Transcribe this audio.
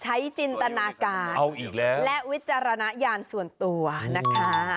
ใช้จินตนาการและวิจารณญาณส่วนตัวนะคะ